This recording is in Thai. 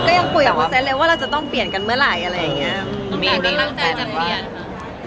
ก็ยังคุยคอนเซนเรลวว่าเราต้องเปลี่ยนกันเมื่อไหร่มีอะไรอยากจะเปลี่ยนป้ะ